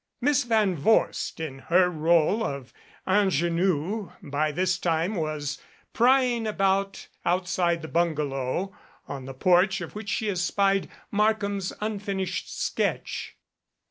Miss Van Vorst in her role of ingenue by this time was prying about outside the bungalow, on the porch of which she espied Markham's unfinished sketch.